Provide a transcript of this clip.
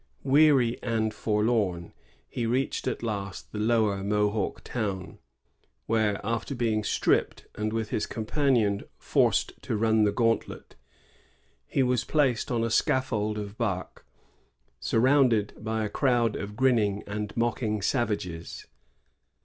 Weaiy and forlorn, he reached at last the lower Mohawk town, where, after being stripped, and with his companion forced to run the gantlet, he was placed on a scaffold of bark, surrounded by a crowd of grinning and mocking savages.